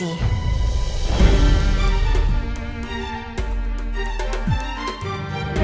tentang tante tante